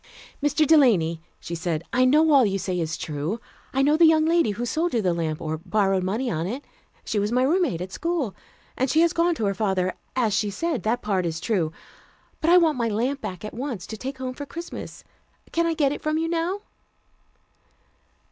"Mr. Delany," she said, "I know all you say is true. I know the young lady who sold you the lamp, or borrowed money on it. She was my roommate at school, and she has gone to her father, as she said. That part is true. But I want my lamp back at once, to take home for Christmas. Can I get it from you now?"